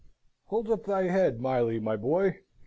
"Hold up thy head, Miley, my boy!"